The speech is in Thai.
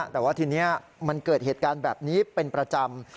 แต่ว่าทีนี้มันเกิดเหตุการณ์แบบนี้เป็นประจำ